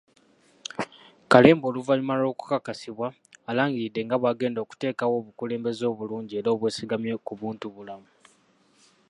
Kalembe oluvannyuma lw'okukakasibwa alangiridde nga bw'agenda okuteekawo obukulembeze obulungi era obwesigamye ku buntubulamu.